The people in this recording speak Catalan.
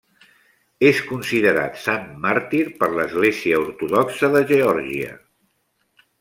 És considerat sant màrtir per l'Església Ortodoxa de Geòrgia.